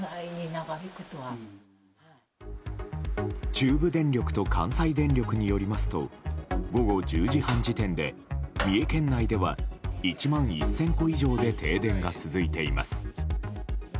中部電力と関西電力によりますと午後１０時半時点で三重県内では１万１０００戸以上で停電が続いています。